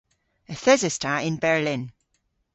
Yth eses ta yn Berlin.